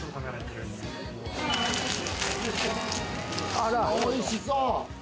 あら、おいしそう！